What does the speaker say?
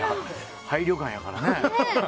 廃旅館やからね。